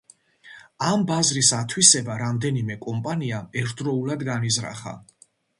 ამ ბაზრის ათვისება რამდენიმე კომპანიამ ერთდროულად განიზრახა.